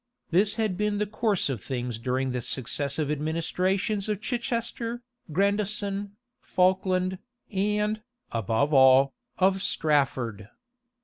[] This had been the course of things during the successive administrations of Chichester, Grandison, Falkland, and, above all, of Strafford.